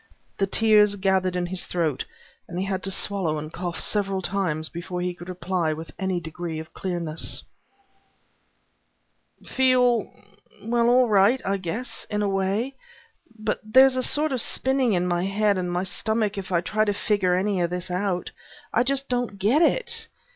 The tears gathered in his throat and he had to swallow and cough several times before he could reply with any degree of clearness. "Feel? Well all right, I guess, in a way. But there's a sort of spinning in my head and my stomach if I try to figure any of this out. I just don't get it."